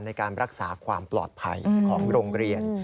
ในการรักษาความปลอดภัยของโรงเรียน